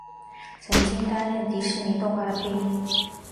曾经担任迪士尼动画的配音。